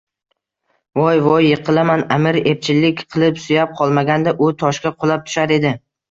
— Voy-voy! Yiqilaman! — Аmir epchillik qilib suyab qolmaganda u toshga qulab tushar edi…